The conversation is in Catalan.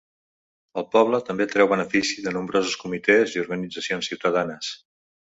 El poble també treu benefici de nombrosos comitès i organitzacions ciutadanes.